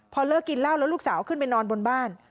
พอเลิกกินเหล้าแล้วลูกสาวขึ้นไปนอนบนบ้าน